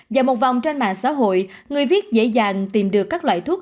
dạo một vòng trên mạng xã hội người viết dễ dàng tìm được các loại thuốc